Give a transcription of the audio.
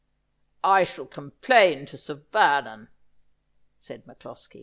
'I shall complain to Sir Vernon,' said MacCloskie.